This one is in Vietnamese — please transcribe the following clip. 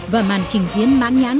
và màn trình diễn mãn nhãn